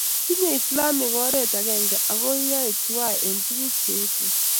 Tinyei islamek oret agenge ako yoe tuwai eng' tuguk che echen